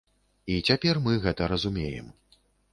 І цяпер мы гэта разумеем!